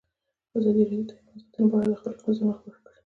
ازادي راډیو د حیوان ساتنه په اړه د خلکو نظرونه خپاره کړي.